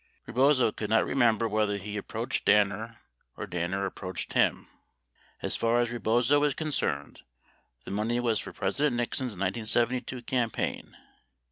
Rebozo could not remember whether he approached Danner or Danner ap proached him. As far as Rebozo is concerned, the money was for President Nixon's 1972 campaign.